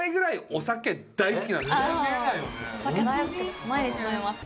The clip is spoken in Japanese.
お酒大好きです